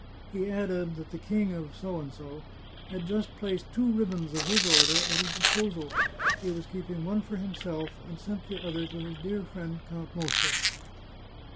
He added that the King of had just placed two ribbons of his Order at his disposal; he was keeping one for himself, and sent the other to his dear friend Count Mosca.